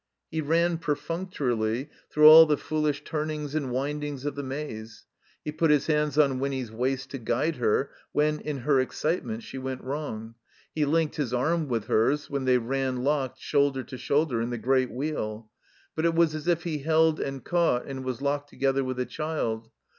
He ran, perftmctorily, through all the foolish tum 87 I THE COMBINED MAZE ings and windings of the maze. He put his hands on Winny's waist to guide her when, in her excitement, she went wrong. He linked his arm with hers when they ran locked, shoulder to shoulder, in the Great Wheel ; but it was as if he held and caught, and was locked together with a child.